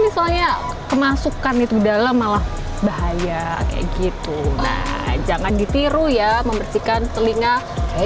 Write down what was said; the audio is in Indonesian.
misalnya kemasukan itu dalam malah bahaya kayak gitu jangan ditiru ya membersihkan telinga eh